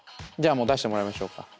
じゃあもう出してもらいましょうか。